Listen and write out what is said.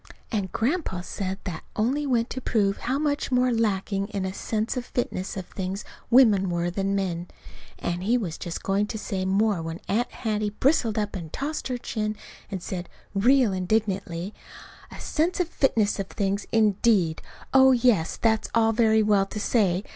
And Grandpa said that only went to prove how much more lacking in a sense of fitness of things women were than men. And he was just going to say more when Aunt Hattie bristled up and tossed her chin, and said, real indignantly: "A sense of fitness of things, indeed! Oh, yes, that's all very well to say.